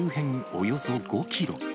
およそ５キロ。